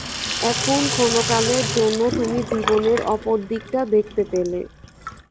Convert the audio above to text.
এখন ক্ষণকালের জন্য তুমি জীবনের অপর দিকটা দেখতে পেলে।